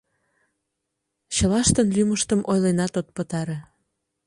Чылаштын лӱмыштым ойленат от пытаре.